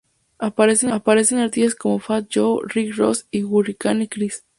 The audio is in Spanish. Aparecen artistas como Fat Joe, Rick Ross, y Hurricane Chris.